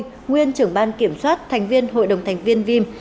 nguyễn văn khôi nguyên trưởng ban kiểm soát thành viên hội đồng thành viên vim